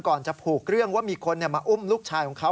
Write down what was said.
จะผูกเรื่องว่ามีคนมาอุ้มลูกชายของเขา